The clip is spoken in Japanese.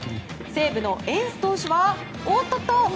西武のエンス投手はおっとっと。